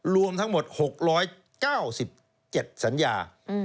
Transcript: รวมทั้งหมด๖๙๗สัญญา